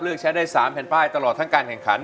ใช้ได้๓แผ่นป้ายตลอดทั้งการแข่งขัน